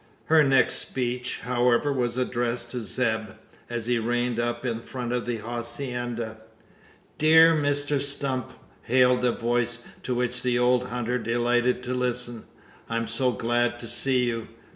Her next speech, however, was addressed to Zeb, as he reined up in front of the hacienda. "Dear Mr Stump!" hailed a voice, to which the old hunter delighted to listen. "I'm so glad to see you.